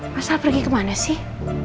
mas al pergi kemana sih